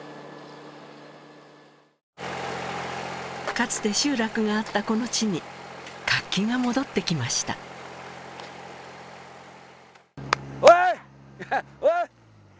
かつて集落があったこの地に活気が戻ってきましたおいおい！